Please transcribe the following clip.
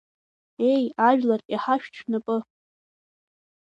Еи, ажәлар, иҳашәҭ шәнапы…